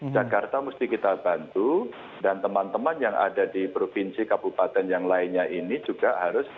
jakarta mesti kita bantu dan teman teman yang ada di provinsi kabupaten yang lainnya ini juga harus